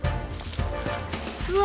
うわ！